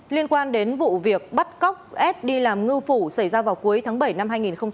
liên quan đến vụ việc bắt cóc ép đi làm ngư phủ xảy ra vào cuối tháng bảy năm hai nghìn hai mươi